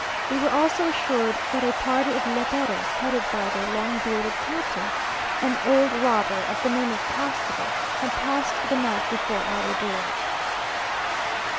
We were also assured that a party of léperos, headed by their long bearded captain, an old robber of the name of Castro, had passed the night before our door.